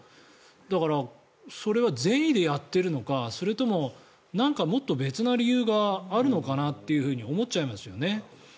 だから、それは善意でやっているのかそれともなんかもっと別の理由があるのかなと思っちゃいますよね。